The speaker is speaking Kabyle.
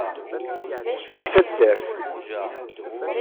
Deg taddart.